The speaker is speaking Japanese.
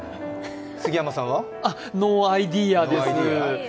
ノーアイデアです。